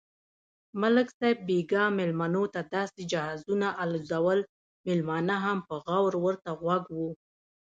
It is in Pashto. ملک صاحب بیگا مېلمنوته داسې جهازونه الوزول، مېلمانه هم په غور ورته غوږ و.